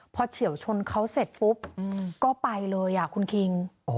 พอเฉียวชนเขาเสร็จปุ๊บก็ไปเลยคุณคิง